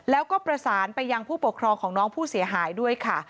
แล้วก็ประสานไปยังผู้ปกครองของน้องผู้เสียหายด้วยค่ะ